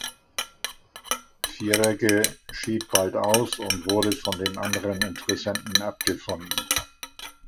Vieregge schied bald aus und wurde von den anderen Interessenten abgefunden.